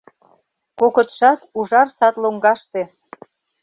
Кокытшат — ужар сад лоҥгаште.